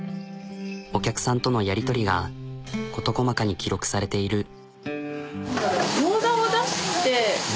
お客さんとのやり取りが事細かに記録されている。